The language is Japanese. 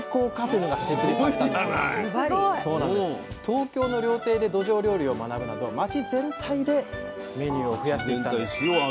東京の料亭でどじょう料理を学ぶなど町全体でメニューを増やしていったんです。